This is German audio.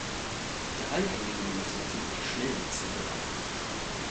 Drei-Gänge-Menüs lassen sich schnell zubereiten.